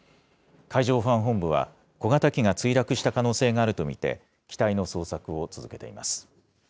海上保安本部は、小型機が墜落した可能性があると見て、機体の捜索を続けています。